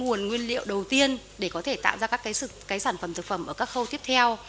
nguồn nguyên liệu đầu tiên để có thể tạo ra các sản phẩm thực phẩm ở các khâu tiếp theo